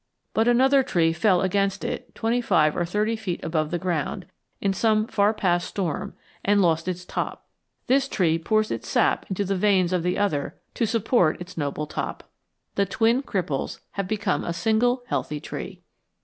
But another tree fell against it twenty five or thirty feet above the ground, in some far past storm, and lost its top; this tree pours its sap into the veins of the other to support its noble top. The twin cripples have become a single healthy tree.